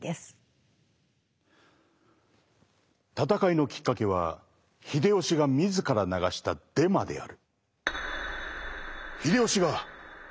戦いのきっかけは秀吉が自ら流したデマである。